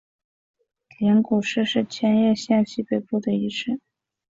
镰谷市是千叶县西北部的一市。